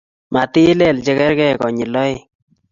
matilel chegergei konyil aeng